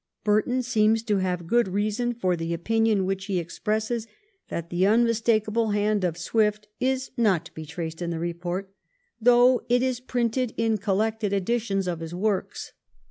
Burton seems to have good reason for the opinion which he expresses that the unmistakable hand of 102 THE KEIGN OF QUEEN ANNE. CH. xxv. Swift is not to be traced in the report, ' though it is printed in collected editions of his works.'